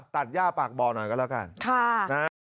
ตัดย่าปากบ่อหน่อยก็แล้วกัน